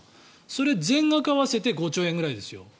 それ、全額合わせて５兆円ぐらいですよ。